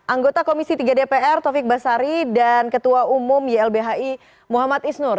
anggota komisi tiga dpr taufik basari dan ketua umum ylbhi muhammad isnur